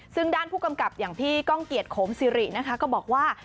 ซึ่งด้านผู้กำกับอย่างพี่ก้องเกียจโขมสิรินะคะก็บอกว่า